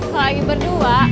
kalau lagi berdua